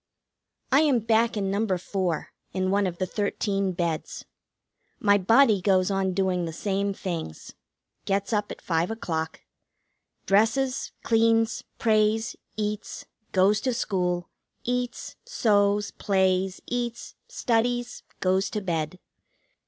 I am back in No. 4, in one of the thirteen beds. My body goes on doing the same things. Gets up at five o'clock. Dresses, cleans, prays, eats, goes to school, eats, sews, plays, eats, studies, goes to bed.